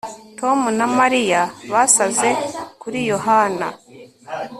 Tom na Mariya basaze kuri Yohana